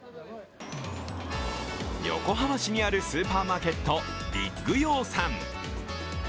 横浜市にあるスーパーマーケット、ビックヨーサン。